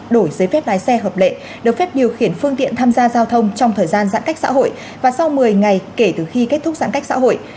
đổi giấy phép lái xe hợp lệ được phép điều khiển phương tiện tham gia giao thông trong thời gian giãn cách xã hội và sau một mươi ngày kể từ khi kết thúc giãn cách xã hội